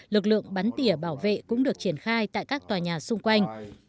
lực lượng bắn tỉa bảo vệ cũng được triển khai tại các tòa nhà xung quanh